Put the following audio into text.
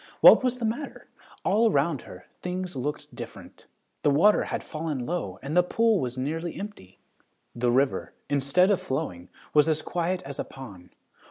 What was the matter? All around her things looked different. The water had fallen low and the pool was nearly empty. The river, instead of flowing, was as quiet as a pond.